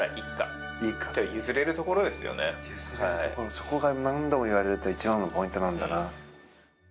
そこが何度も言われている一番のポイントなんだな。